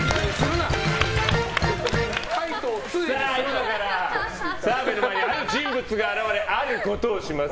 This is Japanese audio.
今から澤部の前にある人物が現れあることをします。